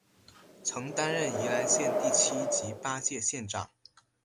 曾担任宜兰县第七及八届县长。